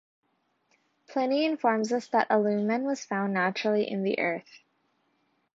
Pliny informs us that 'alumen' was found naturally in the earth.